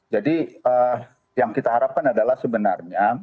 jadi yang kita harapkan adalah sebenarnya